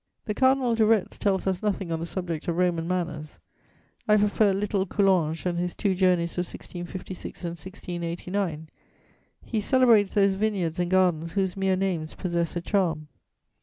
The Cardinal de Retz tells us nothing on the subject of Roman manners. I prefer "little" Coulanges and his two journeys of 1656 and 1689: he celebrates those "vineyards" and "gardens" whose mere names possess a charm.